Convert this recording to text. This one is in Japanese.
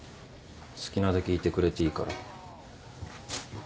好きなだけいてくれていいから。